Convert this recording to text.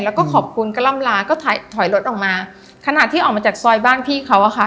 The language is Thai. แล้วก็ขอบคุณก็ล่ำลาก็ถอยถอยรถออกมาขณะที่ออกมาจากซอยบ้านพี่เขาอะค่ะ